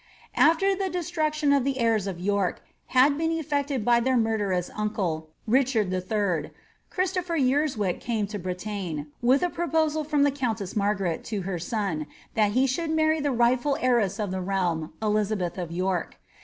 After the destruction of the heirs of York had been effected by their Burderoiis uncle, Richard III^ Christopher Urswick came to Bretagne, widi a proposal from the countess Margaret to her son, that he should mtrry the rightful heiress of the realm, Elizabeth of York.